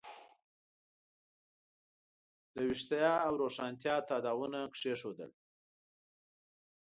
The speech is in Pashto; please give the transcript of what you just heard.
د ویښتیا او روښانتیا تاداوونه کېښودل.